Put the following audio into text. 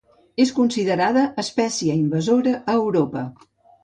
És considerada espècie invasora a Europa.